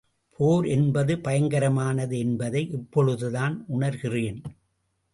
போர் என்பது பயங்கரமானது என்பதை இப்பொழுதான் உணர்கிறேன்.